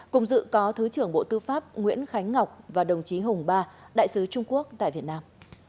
cùng dự có thứ trưởng bộ tư pháp nguyễn khánh ngọc và đồng chí hùng ba đại sứ trung quốc tại việt nam